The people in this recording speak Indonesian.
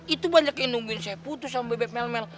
itu banyak yang nungguin saya putus sama bebek melmel